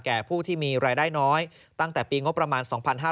ผู้ที่มีรายได้น้อยตั้งแต่ปีงบประมาณ๒๕๕๙